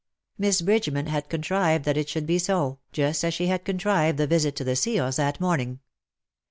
Miss Bridgeman had contrived that it should be so, just as she had contrived the visit to the seals that morning.